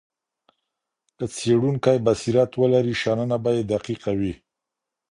که څېړونکی بصیرت ولري شننه به یې دقیقه وي.